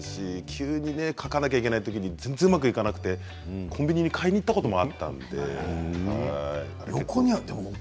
急に書かなければいけないときに全然うまくいかなくてコンビニに買いに行ったこともありました。